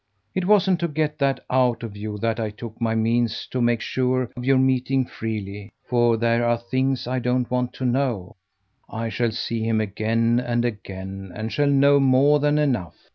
It wasn't to get that out of you that I took my means to make sure of your meeting freely for there are things I don't want to know. I shall see him again and again and shall know more than enough.